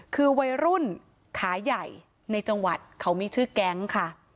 คือวัยรุ่นขาใหญ่ในจังหวัดเขามีชื่อแก๊งค่ะ